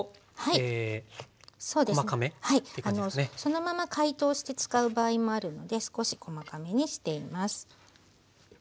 そのまま解凍して使う場合もあるので少し細かめにしています。